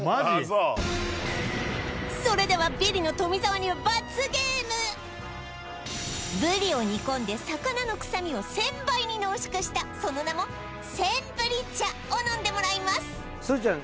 それではブリを煮込んで魚の臭みを１０００倍に濃縮したその名も１０００ブリ茶を飲んでもらいます